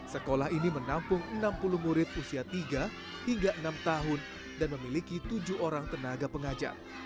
sekolah ini menampung enam puluh murid usia tiga hingga enam tahun dan memiliki tujuh orang tenaga pengajar